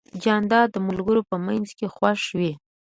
جانداد د ملګرو په منځ کې خوښ وي.